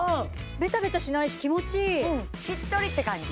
ベタベタしないし気持ちいいしっとりって感じ